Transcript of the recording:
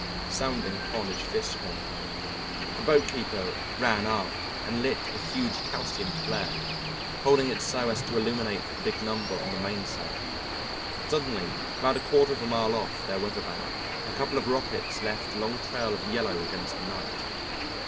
sounding upon his fish horn. The boatkeeper ran aft and lit a huge calcium flare, holding it so as to illuminate the big number on the mainsail. Suddenly, about a quarter of a mile off their weather bow, a couple of rockets left a long trail of yellow against the night.